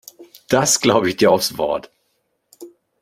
Das glaube ich dir aufs Wort.